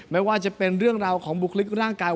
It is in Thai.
ไม่ว่าจะเป็นเรื่องราวของบุคลิกร่างกาย